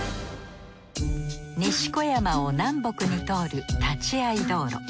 西小山を南北に通る立会道路。